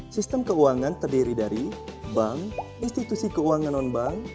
sistem keuangan terdiri dari bank institusi keuangan non bank